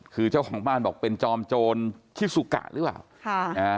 คือเจ้าของบ้านบอกเป็นจอมโจรคิสุกะหรือเปล่าค่ะอ่า